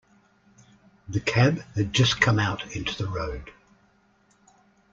The cab had just come out into the road.